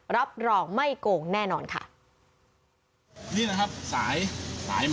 รับรองไม่โกงแน่นอนค่ะ